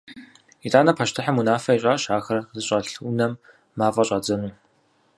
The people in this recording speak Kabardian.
Итӏанэ пащтыхьым унафэ ищӏащ ахэр зыщӏэлъ унэм мафӏэ щӏадзэну.